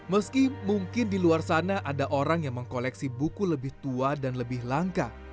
meski mungkin di luar sana ada orang yang mengkoleksi buku lebih tua dan lebih langka